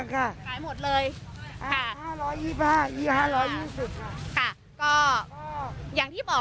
ค่ะขายหมดเลยค่ะห้าร้อยยี่ห้าร้อยยี่สิบค่ะค่ะก็อย่างที่บอก